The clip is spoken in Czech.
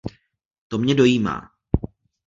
To mě dojímá.